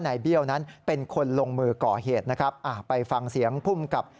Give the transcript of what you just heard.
เบี้ยวนั้นเป็นคนลงมือก่อเหตุนะครับอ่าไปฟังเสียงภูมิกับ